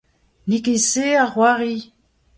N'eo ket se ar c'hoari!